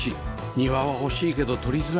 庭は欲しいけど取りづらい